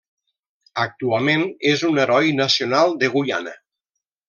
Actualment és un heroi nacional de Guyana.